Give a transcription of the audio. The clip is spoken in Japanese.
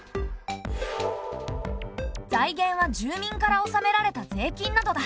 財源は住民から納められた税金などだ。